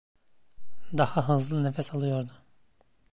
Daha hızlı nefes alıyordu.